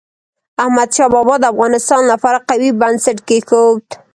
احمد شاه بابا د افغانستان لپاره قوي بنسټ کېښود.